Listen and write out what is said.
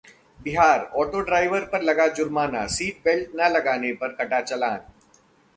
Bihar: auto driver पर लगा जुर्माना, सीट बेल्ट न लगाने पर कटा चालान